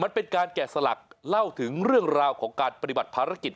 มันเป็นการแกะสลักเล่าถึงเรื่องราวของการปฏิบัติภารกิจ